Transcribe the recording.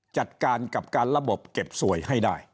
จัดการกับการระบบเก็บสวยให้ได้